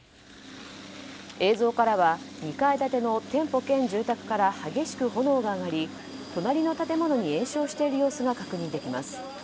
映像からは２階建ての店舗兼住宅から激しく炎が上がり、隣の建物に延焼している様子が確認できます。